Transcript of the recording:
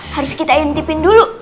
harus kita identifin dulu